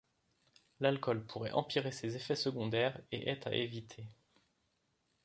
L'alcool pourrait empirer ses effets secondaires et est à éviter.